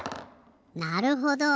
なるほど。